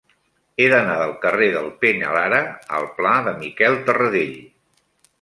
He d'anar del carrer del Peñalara al pla de Miquel Tarradell.